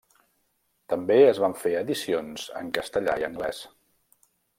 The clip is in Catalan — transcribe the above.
També es van fer edicions en castellà i anglès.